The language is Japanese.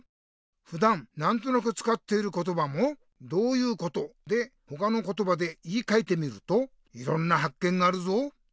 ふだんなんとなくつかっていることばも「どういうこと？」でほかのことばで言いかえてみるといろんなはっけんがあるぞ。